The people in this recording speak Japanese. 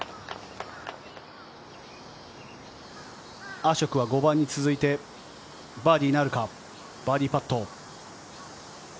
アショクは５番に続いてバーディーなるか、バーディーパット。